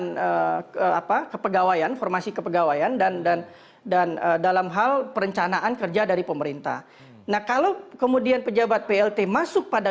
dari segi ini ilmu pe registrasi dan informasi mereka untuk harga anggaran dan keadilan pedagang itu terlalu banyak